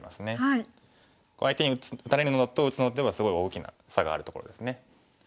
相手に打たれるのと打つのではすごい大きな差があるところですね。